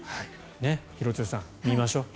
廣津留さん、見ましょう。